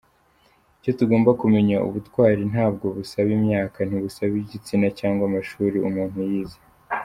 Icyo tugomba kumenya, ubutwari ntabwo busaba imyaka, ntibusaba igitsina cyangwa amashuri umuntu yize.